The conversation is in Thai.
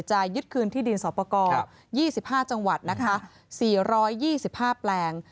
จะยึดคืนที่ดินสอปกร๒๕จังหวัด๔๒๕แปลง